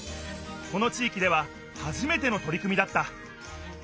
この地いきでははじめてのとり組みだった。